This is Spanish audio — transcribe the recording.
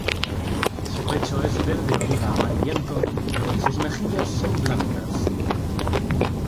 Su pecho es verde oliva-amarillento y sus mejillas son blancas.